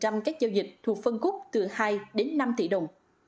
tương ứng chín mươi các giao dịch thuộc phân khúc từ hai đến năm tỷ đồng